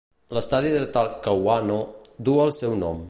L'estadi de Talcahuano duu el seu nom.